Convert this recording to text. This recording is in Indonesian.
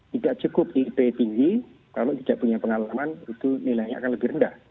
tidak cukup di p tinggi kalau tidak punya pengalaman itu nilainya akan lebih rendah